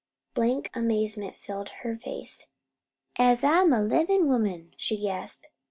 Blank amazement filled her face. "As I'm a livin' woman!" she gasped.